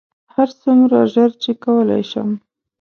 هرڅومره ژر چې کولی شم.